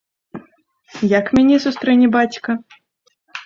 Як мяне сустрэне бацька?